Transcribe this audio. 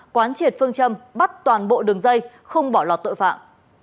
quán triệt phương châm bắt toàn bộ đường dây không bỏ lọt tội phạm